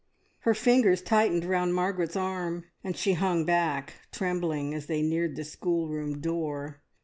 Her fingers tightened round Margaret's arm, and she hung back trembling as they neared the schoolroom door.